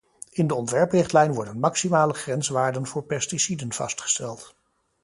In de ontwerprichtlijn worden maximale grenswaarden voor pesticiden vastgesteld.